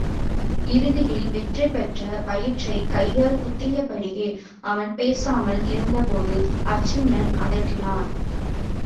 இறுதியில் வெற்றிபெற்ற வயிற்றைக் கையால் குத்தியபடியே, அவன் பேசாமல் இருந்தபோது அர்ச்சுனன் அதட்டினார்.